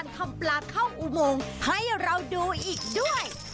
ทำปลาเข้าอุโมงให้เราดูอีกด้วย